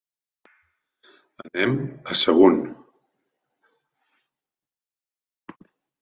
Anem a Sagunt.